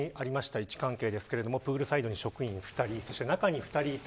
位置関係ですがプールサイドに職員２人そして中に２人いた。